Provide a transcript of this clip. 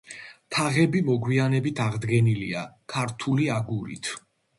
თაღები მოგვიანებით აღდგენილია ქართული აგურით.